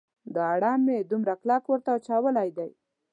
دا اړم مې دومره کلک ورته اچولی دی.